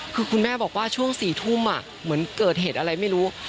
คือคุณแม่บอกว่าช่วง๔ทุ่มเหมือนเกิดเหตุอะไรไม่รู้